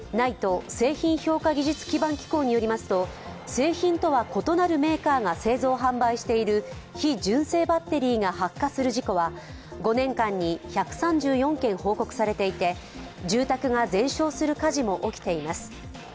ＮＩＴＥ＝製品評価技術基盤機構によりますと、製品とは異なるメーカーが製造・販売している非純正バッテリーが発火する事故は５年間に１３４件報告されていて、住宅が全焼する火事も起きています。